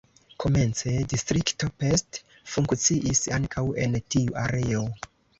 Komence „Distrikto Pest” funkciis ankaŭ en tiu areo.